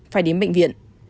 phải đến bệnh viện